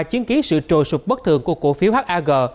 chiến ký sự trồi sụp bất thường của cổ phiếu hag